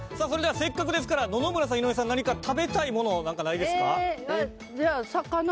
それではせっかくですから野々村さん井上さん何か食べたいものなんかないですか？